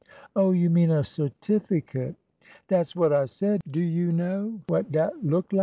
'' Oh h, you mean a certificate." '' Dat 's what I said. Do you know what dat look lak?